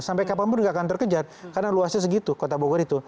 sampai kapanpun nggak akan terkejar karena luasnya segitu kota bogor itu